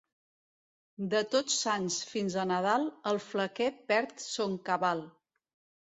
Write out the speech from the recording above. De Tots Sants fins a Nadal, el flequer perd son cabal.